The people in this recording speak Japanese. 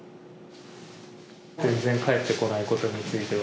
全然帰ってこないことについては？